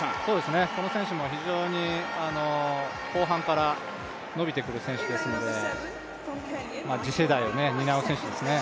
この選手も非常に後半から伸びてくる選手ですので次世代を担う選手ですね。